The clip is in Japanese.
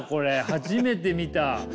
初めて見た。